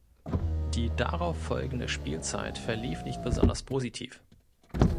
Die darauffolgende Spielzeit verlief nicht besonders positiv.